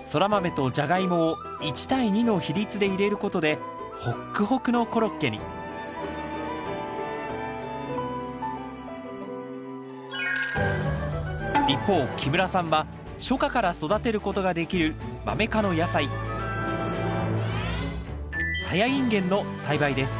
ソラマメとジャガイモを１対２の比率で入れることでホックホクのコロッケに一方木村さんは初夏から育てることができるマメ科の野菜サヤインゲンの栽培です。